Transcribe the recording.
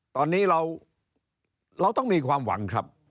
ตอนนี้เราต้องมีความหวังครับ